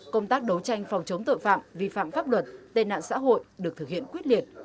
công tác đấu tranh phòng chống tội phạm vi phạm pháp luật tên nạn xã hội được thực hiện quyết liệt